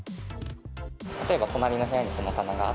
例えば隣の部屋にその棚があ